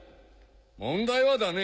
問題はだね